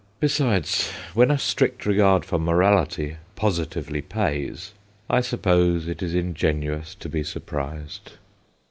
Besides, when a strict regard for morality positively pays ... I suppose it is ingenuous to be surprised.